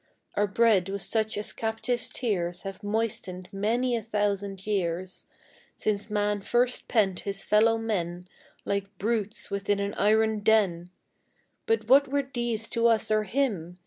Our bread was such as captives' tears Have moistened many a thousand years, Since man first pent his fellow men Like brutes within an iron den; But what were these to us or him?